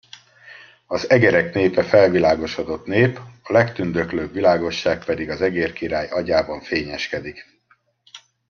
Az egerek népe felvilágosodott nép, a legtündöklőbb világosság pedig az egérkirály agyában fényeskedik.